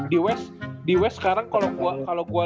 di west di west sekarang kalau gue